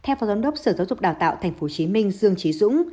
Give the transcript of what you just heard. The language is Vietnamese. theo phó giám đốc sở giáo dục đào tạo tp hcm dương trí dũng